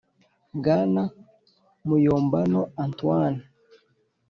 bwana muyombano antoine